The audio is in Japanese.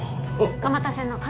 蒲田線の上